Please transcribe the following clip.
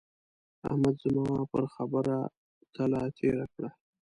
احمد زما پر خبره تله تېره کړه.